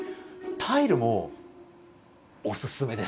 タイルもおすすめです。